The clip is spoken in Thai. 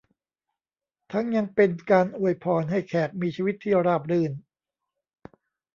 ทั้งยังเป็นการอวยพรให้แขกมีชีวิตที่ราบรื่น